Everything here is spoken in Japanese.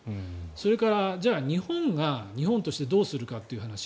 それから、じゃあ日本が日本としてどうするかという話。